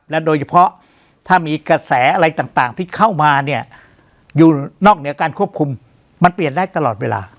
โดยเฉพาะถ้ามีกระแสอะไรต่างที่เข้ามาเนี่ยอยู่นอกเหนือการควบคุมมันเปลี่ยนได้ตลอดเวลา